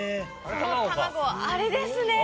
その卵はあれですね！